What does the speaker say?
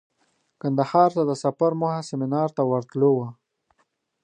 کندهار ته د سفر موخه سمینار ته ورتلو وه.